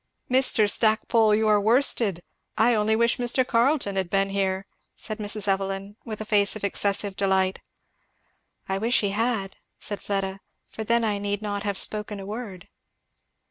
"Mr. Stackpole, you are worsted! I only wish Mr. Carleton had been here!" said Mrs. Evelyn, with a face of excessive delight. "I wish he had," said Fleda, "for then I need not have spoken a word."